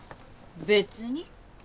別に。